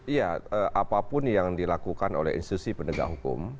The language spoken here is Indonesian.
iya apapun yang dilakukan oleh institusi pendegang hukum